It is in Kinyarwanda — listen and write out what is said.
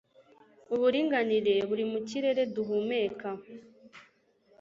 Uburinganire buri mu kirere duhumeka